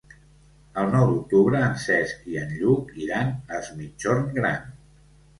El nou d'octubre en Cesc i en Lluc iran a Es Migjorn Gran.